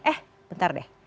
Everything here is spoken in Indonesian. eh bentar deh